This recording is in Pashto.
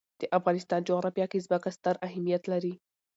د افغانستان جغرافیه کې ځمکه ستر اهمیت لري.